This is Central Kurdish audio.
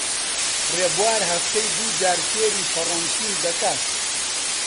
ڕێبوار هەفتەی دوو جار فێری فەڕەنسیم دەکات.